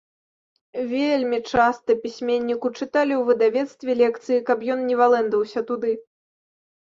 Вельмі часта пісьменніку чыталі ў выдавецтве лекцыі, каб ён не валэндаўся туды.